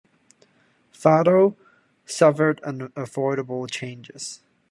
Fado suffered unavoidable changes.